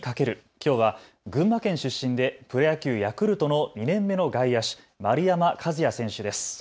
きょうは群馬県出身でプロ野球、ヤクルトの２年目の外野手、丸山和郁選手です。